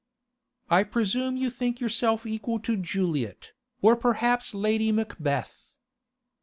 'I presume you think yourself equal to Juliet, or perhaps Lady Macbeth?